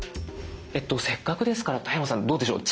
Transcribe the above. せっかくですから田山さんどうでしょう？